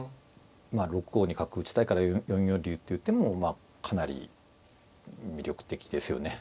まあ６五に角打ちたいから４四竜っていう手もまあかなり魅力的ですよね。